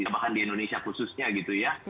bahkan di indonesia khususnya gitu ya